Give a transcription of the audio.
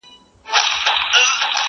ما خو دا نه ویل شینکی آسمانه!!